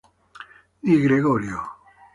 Di Gregorio